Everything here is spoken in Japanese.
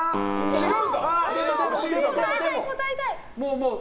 違う！